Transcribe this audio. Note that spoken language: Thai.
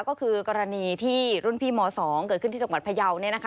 ก็คือกรณีที่รุ่นพี่ม๒เกิดขึ้นที่จังหวัดพยาวเนี่ยนะคะ